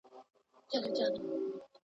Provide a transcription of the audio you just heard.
چي څنگه دېگ، هغسي ئې ټېپر.